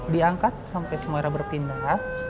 diangkat sampai semua airnya bertindak